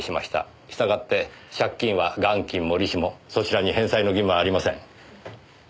したがって借金は元金も利子もそちらに返済の義務はありません。